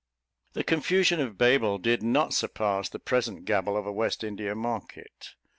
The confusion of Babel did not surpass the present gabble of a West India market.